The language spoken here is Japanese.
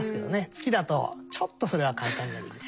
月だとちょっとそれは簡単にはできない。